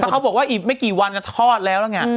เขาบอกว่าอีกไม่กี่วันก็ทอดแล้วแล้วไง